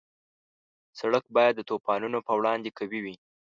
سړک باید د طوفانونو په وړاندې قوي وي.